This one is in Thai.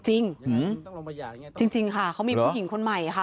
จริงจริงค่ะเขามีผู้หญิงคนใหม่ค่ะ